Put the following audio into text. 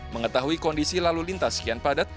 mengetahui kondisi lalu lintas kian padat